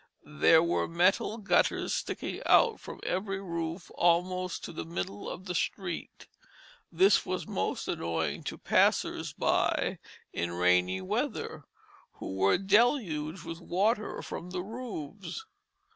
There were metal gutters sticking out from every roof almost to the middle of the street; this was most annoying to passers by in rainy weather, who were deluged with water from the roofs.